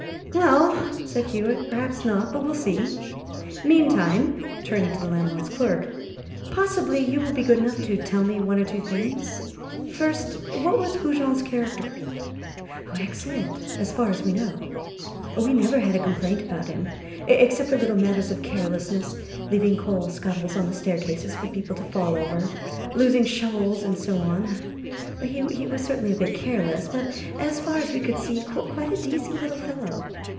"Well," said Hewitt, "perhaps not; but we'll see. Meantime" turning to the landlord's clerk "possibly you will be good enough to tell me one or two things. First, what was Goujon's character?" "Excellent, as far as we know. We never had a complaint about him except for little matters of carelessness leaving coal scuttles on the staircases for people to fall over, losing shovels, and so on. He was certainly a bit careless, but, as far as we could see, quite a decent little fellow.